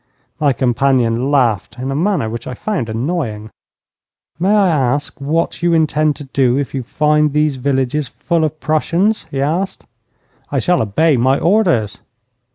My companion laughed in a manner which I found annoying. 'May I ask what you intend to do if you find these villages full of Prussians?' he asked. 'I shall obey my orders.'